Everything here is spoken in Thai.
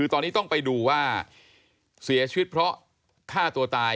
ตอนนี้ต้องไปดูว่าเสียชีวิตเพราะฆ่าตัวตาย